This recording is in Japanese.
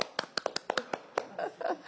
ハハハハハ！